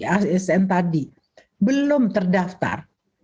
asn tadi belum terdaftar